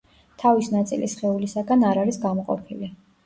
თავის ნაწილი სხეულისაგან არ არის გამოყოფილი.